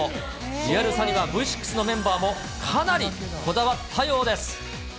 リアルさにはＶ６のメンバーもかなりこだわったようです。